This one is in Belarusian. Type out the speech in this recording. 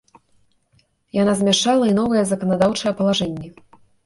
Яна змяшчала і новыя заканадаўчыя палажэнні.